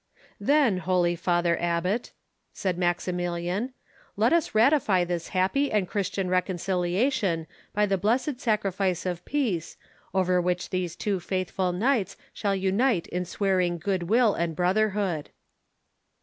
"Then, holy Father Abbot," said Maximilian, "let us ratify this happy and Christian reconciliation by the blessed sacrifice of peace, over which these two faithful knights shall unite in swearing good will and brotherhood."